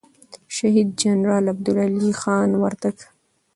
شهید جنرال عبدالعلي خان وردگ